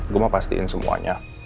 gue mau pastiin semuanya